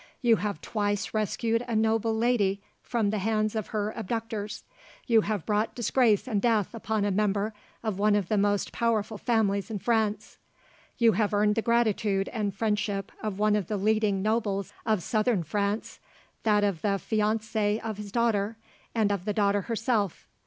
You have twice rescued a noble lady from the hands of her abductors. You have brought disgrace and death upon a member of one of the most powerful families in France. You have earned the gratitude and friendship of one of the leading nobles of Southern France, that of the fiance of his daughter, and of the daughter herself.